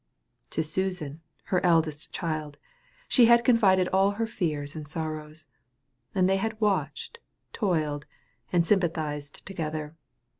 To Susan, her eldest child, she had confided all her fears and sorrows; and they had watched, toiled, and sympathized together.